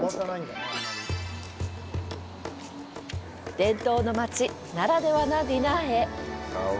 伝統の街ならではなディナーへ。